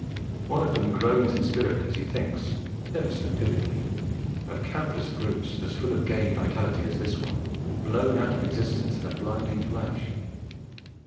One of them groans in spirit as he thinks, never so vividly, of countless groups as full of gay vitality as this one, blown out of existence in a blinding flash.